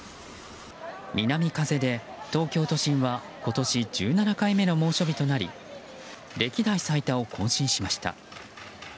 南風で東京都心は今年１７回目の猛暑日となり歴代最多を更新しました。